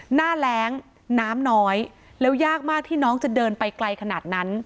หน้าแรงน้ำน้อยแล้วยากมากที่น้องจะเดินไปไกลขนาดนั้น